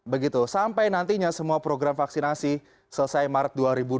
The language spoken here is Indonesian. begitu sampai nantinya semua program vaksinasi selesai maret dua ribu dua puluh